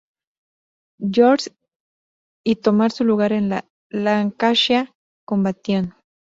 George's y tomar su lugar en la Lancashire Combination.